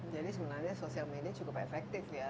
jadi sebenarnya sosial media cukup efektif ya